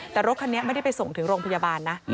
แต่รถคันนี้ไม่ได้ไปส่งถึงโรงพยาบาลนะ